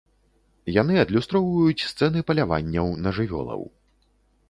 Яны адлюстроўваюць сцэны паляванняў на жывёлаў.